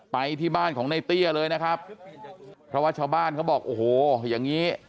ไปที่บ้านของในเตี้ยเลยนะครับเพราะว่าชาวบ้านเขาบอกโอ้โหอย่างนี้